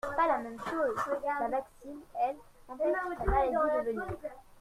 Pas la même chose … La vaccine, elle, empêche la maladie de venir.